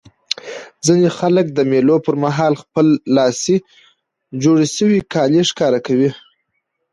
ځيني خلک د مېلو پر مهال خپلي لاسي جوړ سوي کالي ښکاره کوي.